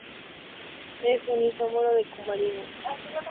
Es un isómero de cumarina.